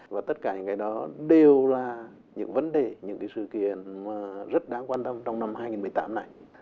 và tất cả những cái đó đều là những vấn đề những cái sự kiện rất đáng quan tâm trong năm hai nghìn một mươi tám này